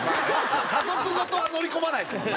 家族ごとは乗り込まないですもんね。